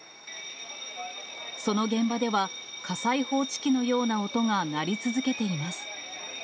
その現場では、火災報知器のような音が鳴り続けています。